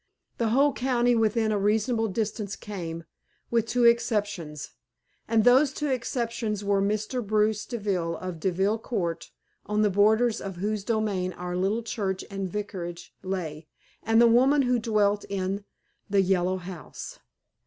The whole county within a reasonable distance came, with two exceptions. And those two exceptions were Mr. Bruce Deville of Deville Court, on the borders of whose domain our little church and vicarage lay, and the woman who dwelt in the "Yellow House."